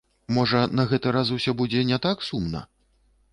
Можа, на гэты раз усё будзе не так сумна?